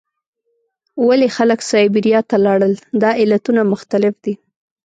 ولې خلک سابیریا ته لاړل؟ دا علتونه مختلف دي.